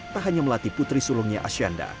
tak hanya melatih putri sulungnya ashanda